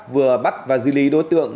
vừa bắt và di lý đối tượng